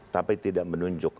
tapi tidak menunjuk